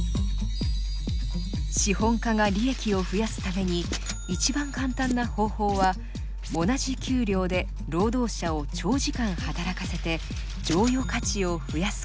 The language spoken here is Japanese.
資本家が利益を増やすために一番簡単な方法は同じ給料で労働者を長時間働かせて剰余価値を増やすことです。